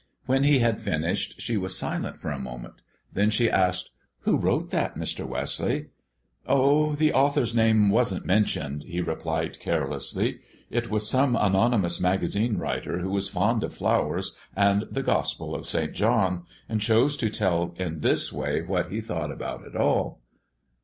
When he had finished, she was silent for a moment. Then she asked, "Who wrote that, Mr. Wesley?" "Oh, the author's name wasn't mentioned," he replied carelessly. "It was some anonymous magazine writer who was fond of flowers and the Gospel of St. John, and chose to tell in this way what he thought about it all."